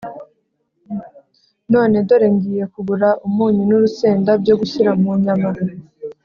none dore ngiye kugura umunyu n’urusenda byo gushyira mu nyama